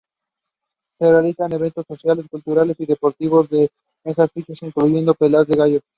Se realizan eventos sociales, culturales y deportivos en esas fechas, incluyendo peleas de gallos.